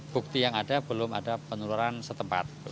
bukti yang ada belum ada penurunan